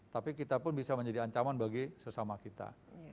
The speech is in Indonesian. tapi kita pun bisa menjadi ancaman bagi sesama kita